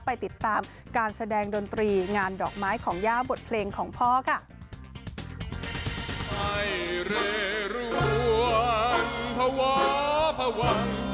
ไปติดตามการแสดงดนตรีงานดอกไม้ของย่าบทเพลงของพ่อค่ะ